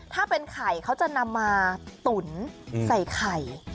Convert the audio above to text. ถ้าเป็นไข่เขาจะนำมาตุ๋นใส่ไข่